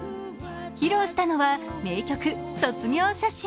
披露したのは名曲「卒業写真」。